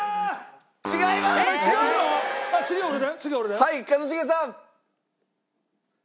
はい一茂さん。